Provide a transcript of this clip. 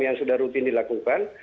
yang sudah rutin dilakukan